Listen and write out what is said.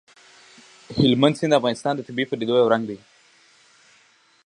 هلمند سیند د افغانستان د طبیعي پدیدو یو رنګ دی.